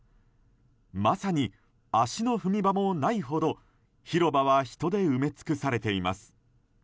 まさに、足の踏み場もないほど広場は人で埋め尽くされています。